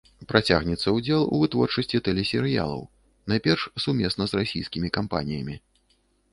Працягнецца ўдзел у вытворчасці тэлесерыялаў, найперш сумесна з расійскімі кампаніямі.